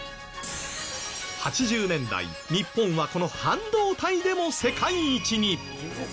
８０年代日本はこの半導体でも世界一に。